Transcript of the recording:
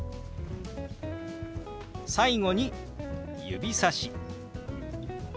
最後に指さし。